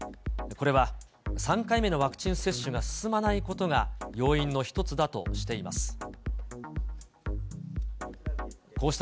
これは３回目のワクチン接種が進まないことが要因の一つだとしています。